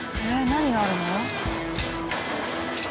何があるの？